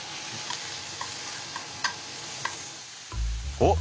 おっ！